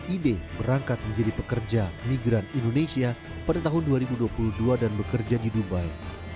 ide berangkat menjadi pekerja migran indonesia pada tahun dua ribu dua puluh dua dan bekerja di dubai